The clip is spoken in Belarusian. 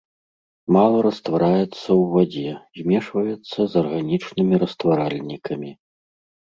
Мала раствараецца ў вадзе, змешваецца з арганічнымі растваральнікамі.